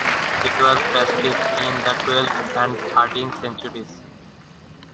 It was practised in the twelfth and thirteenth centuries.